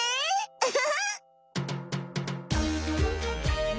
ウフフ！